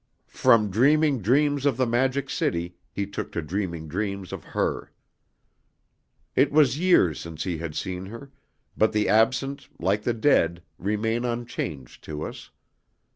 From dreaming dreams of the Magic City he took to dreaming dreams of her. It was years since he had seen her, but the absent, like the dead, remain unchanged to us.